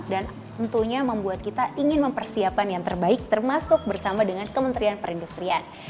dan tentunya membuat kita ingin mempersiapkan yang terbaik termasuk bersama dengan kementerian perindustrian